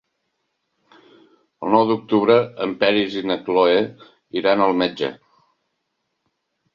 El nou d'octubre en Peris i na Cloè iran al metge.